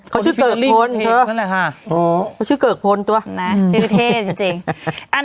เขาชื่อเกิกพลเขาชื่อเกิกพลตัวนะชื่อเท่จริง